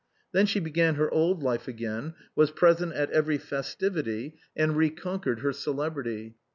Then she began her old life again, was present at every festivity, and reconquered her celebrity.